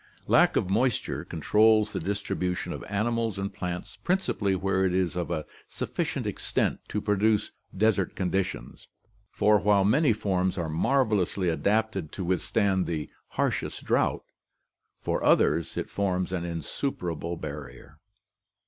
Lack of moisture controls the distribution of animals and plants principally where it is of sufficient extent to produce desert condi tions, for while many forms are marvellously adapted to withstand the harshest drought (see Chapter XXIV), for others it forms an insuperable barrier.